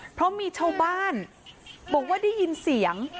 เพราะมีชาวบ้านบอกว่าได้ยินเสียง